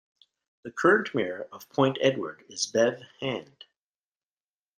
The current mayor of Point Edward is Bev Hand.